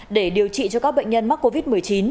để điều trị cho các bệnh nhân mắc covid một mươi chín